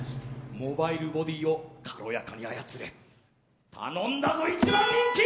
モバイルボディーを軽やかに操れ頼んだぞ一番人気！